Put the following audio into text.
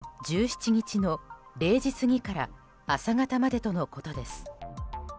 死亡推定時刻は１７日の０時過ぎから朝方までとのことです。